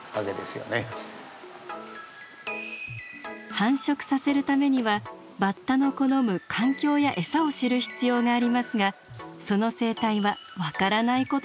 繁殖させるためにはバッタの好む環境や餌を知る必要がありますがその生態は分からないことだらけだったといいます。